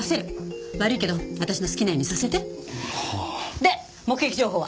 で目撃情報は？